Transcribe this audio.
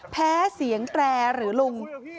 แพ้เสียงแตรหรือลุง